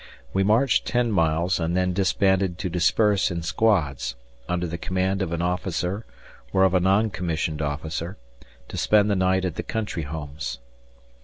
We marched ten miles and then disbanded to disperse in squads, under the command of an officer or of a non commissioned officer, to spend the night at the country homes.